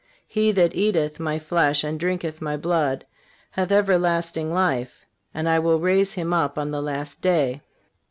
He that eateth My flesh and drinketh My blood hath everlasting life, and I will raise him up on the last day.